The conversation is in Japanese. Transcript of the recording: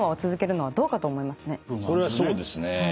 それはそうですね。